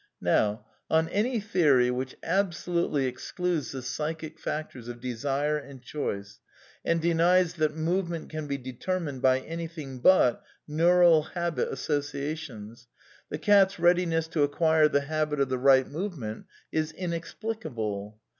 '' (Ibid., Page 319.) Now on any theory which absolutely excludes the psychic factors of desire and choice, and denies that movement can be determined by anything but neural habit associations, the cat's readiness to acquire the habit of the right move ment is inexplicable.